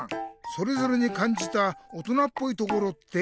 それぞれにかんじた大人っぽいところって